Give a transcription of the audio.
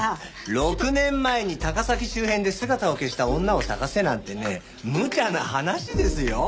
６年前に高崎周辺で姿を消した女を捜せなんてねむちゃな話ですよ。